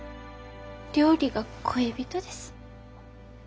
料理が恋人です。